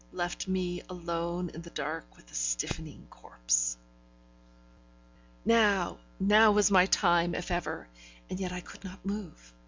Left me alone in the dark with the stiffening corpse! Now, now was my time, if ever; and yet I could not move.